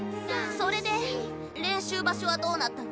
それで練習場所はどうなったの？